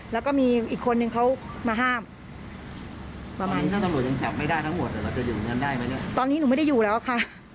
แล้วก็มีอีกคนนึงเขามาห้ามประมาณนี้ตอนนี้หนูไม่ได้อยู่แล้วค่ะ